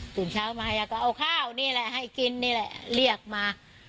ตื่นเช้ามายายก็เอาข้าวนี่แหละให้กินนี่แหละเรียกมา